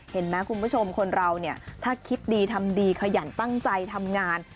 เห็นไหมคุณผู้ชมคนเราเนี่ยถ้าคิดดีทำดีขยันตั้งใจทำงาน